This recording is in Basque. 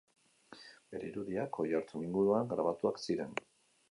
Bere irudiak Oiartzun inguruan grabatuak ziren.